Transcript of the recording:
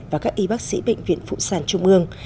và các y bác sĩ bệnh viện phụ sản trung ương